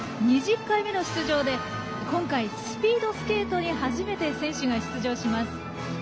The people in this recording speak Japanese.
２０回目の出場で今回、スピードスケートに初めて選手が出場します。